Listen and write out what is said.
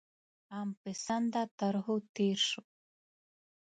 عام پسنده طرحو تېر شو.